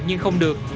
nhưng không được